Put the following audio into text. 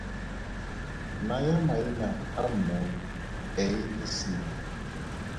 Naya maina a mmui A le C.